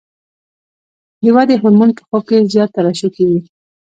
د ودې هورمون په خوب کې زیات ترشح کېږي.